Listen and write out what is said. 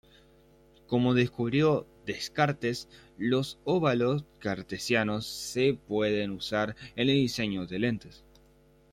Como descubrió Descartes, los óvalos cartesianos se pueden usar en el diseño de lentes.